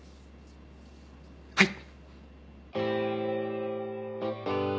はい。